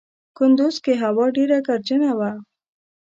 کندوز کې هوا ډېره ګردجنه وه.